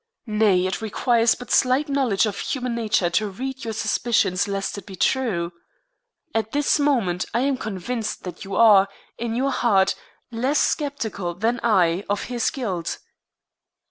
Nay, it requires but slight knowledge of human nature to read your suspicions lest it be true. At this moment I am convinced that you are, in your heart, less sceptical than I of his guilt."